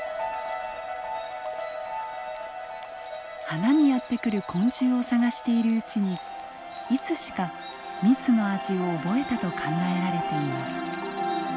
花にやって来る昆虫を探しているうちにいつしか蜜の味を覚えたと考えられています。